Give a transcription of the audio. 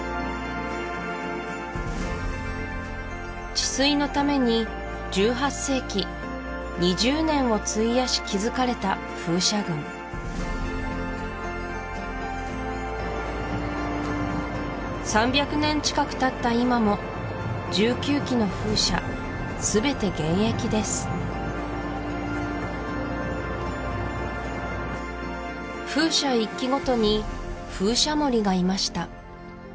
治水のために１８世紀２０年を費やし築かれた風車群３００年近くたった今も１９基の風車全て現役です風車１基ごとに風車守りがいました